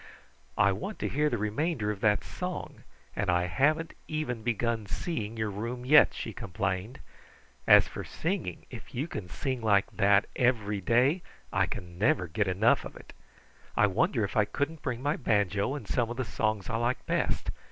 "I want to hear the remainder of that song, and I hadn't even begun seeing your room yet," she complained. "As for singing, if you can sing like that every day, I never can get enough of it. I wonder if I couldn't bring my banjo and some of the songs I like best.